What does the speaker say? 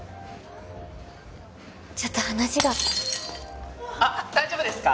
ちょっと話があ大丈夫ですか？